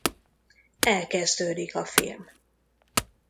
Elkezdődik a film.